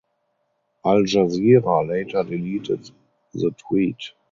Al Jazeera later deleted the tweet.